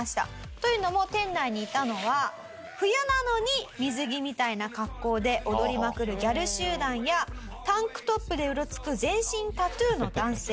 というのも店内にいたのは冬なのに水着みたいな格好で踊りまくるギャル集団やタンクトップでうろつく全身タトゥーの男性。